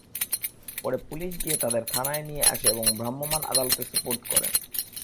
পরে পুলিশ গিয়ে তাঁদের থানায় নিয়ে আসে এবং ভ্রাম্যমাণ আদালতে সোপর্দ করে।